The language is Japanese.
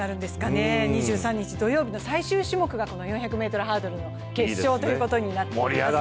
２３日土曜日の最終種目がこの４００ｍハードルの決勝ということになっています。